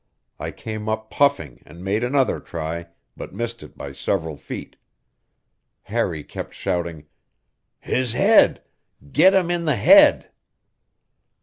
I came up puffing and made another try, but missed it by several feet. Harry kept shouting: "His head! Get him in the head!"